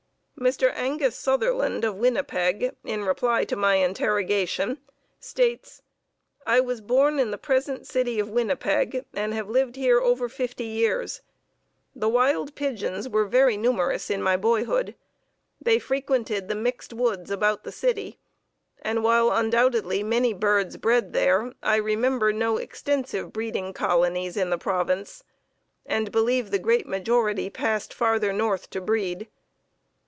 Mr. Angus Sutherland of Winnipeg, in reply to my interrogation, states: "I was born in the present city of Winnipeg and have lived here over fifty years. The wild pigeons were very numerous in my boyhood. They frequented the mixed woods about the city, and while undoubtedly many birds bred here, I remember no extensive breeding colonies in the province, and believe the great majority passed farther north to breed.